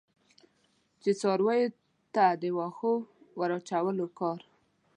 چې څارویو ته د وښو د ور اچولو کار.